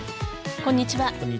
こんにちは。